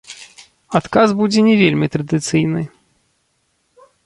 Адказ будзе не вельмі традыцыйны.